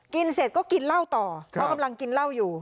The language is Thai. กินเสร็จก็กินเหล้าต่อเพราะกำลังกินเหล้าอยู่